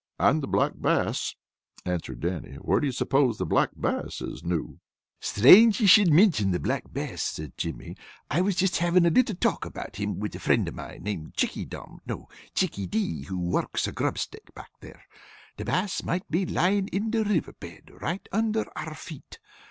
"And the Black Bass," answered Dannie. "Where do ye suppose the Black Bass is noo?" "Strange you should mintion the Black Bass," said Jimmy. "I was just havin' a little talk about him with a frind of mine named Chickie dom, no, Chickie dee, who works a grub stake back there. The Bass might be lyin' in the river bed right under our feet.